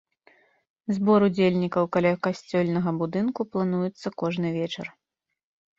Збор удзельнікаў каля касцельнага будынку плануецца кожны вечар.